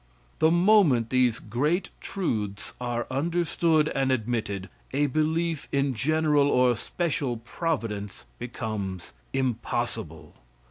The moment these great truths are understood and admitted, a belief in general or special providence becomes impossible.